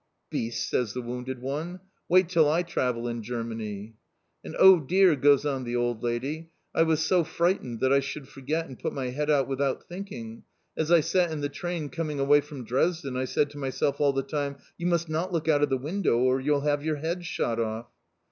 _" "Beasts!" says the wounded one. "Wait till I travel in Germany!" "And, oh dear!" goes on the old lady, "I was so frightened that I should forget and put my head out without thinking! As I sat in the train coming away from Dresden, I said to myself all the time, 'You must not look out of the window, or you'll have your head shot off!'